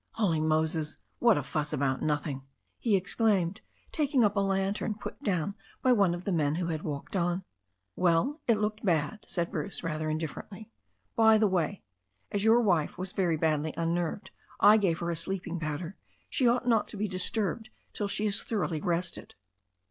"Holy Moses! What a fuss about nothing!" he ex claimed, taking up a lantern put down by one of the men who had walked on. "Well, it looked bad," said Bruce rather indifferently. "By the way, as your wife was very badly unnerved, I gave her a sleeping powder. She ought not to be disturbed till she is thoroughly rested."